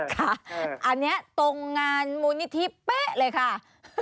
ค่ะอันนี้ตรงงานมูลนิธิเป๊ะเลยค่ะ